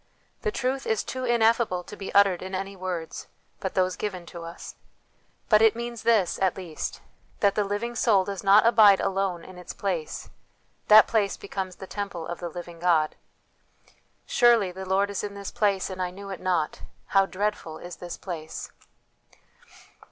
The truth is too ineffable to be uttered in any words but those given to us. But it means this, at least, that the living soul does not abide alone in its place ; that place becomes the temple of the living God. " Surely the Lord is in this place, and I knew it not. How dreadful is this place